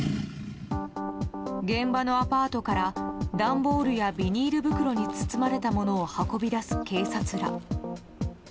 現場のアパートから段ボールやビニール袋に包まれたものを運び出す警察ら。